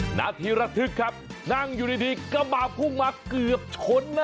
หน้าทีระทึกครับนั่งอยู่ดีกระบะพุ่งมาเกือบชนนะ